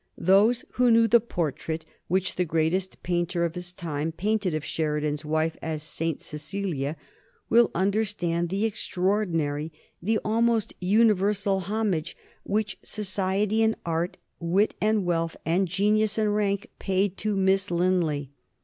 Those who knew the portrait which the greatest painter of his time painted of Sheridan's wife as St. Cecilia will understand the extraordinary, the almost universal homage which society and art, wit and wealth, and genius and rank paid to Miss Linley.